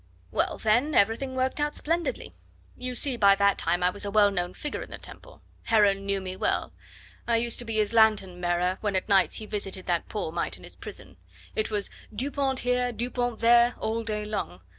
"Well, then everything worked out splendidly. You see by that time I was a well known figure in the Temple. Heron knew me well. I used to be his lanthorn bearer when at nights he visited that poor mite in his prison. It was 'Dupont, here! Dupont there!' all day long.